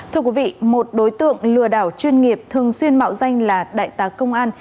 thưa quý vị một đối tượng lừa đảo chuyên nghiệp thường xuyên mạo danh là đại tá công an